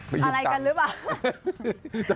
อะไรกันหรือเปล่า